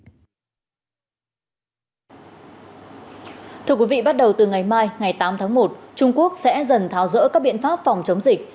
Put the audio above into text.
thưa quý vị bắt đầu từ ngày mai ngày tám tháng một trung quốc sẽ dần tháo rỡ các biện pháp phòng chống dịch